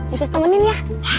itu temenin ya